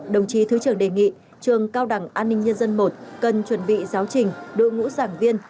đồng chí thứ trưởng đề nghị trường cao đẳng an ninh nhân dân i cần chuẩn bị giáo trình đội ngũ giảng viên